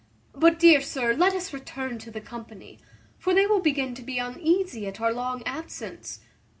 But, dear sir, let us return to the company; for they will begin to be uneasy at our long absence.